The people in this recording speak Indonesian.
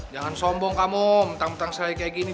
jangan sombong kamu mentang mentang saya kayak gini